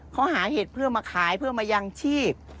เขาหาเห็ดเพื่อมาขายเพื่อมายังชีพ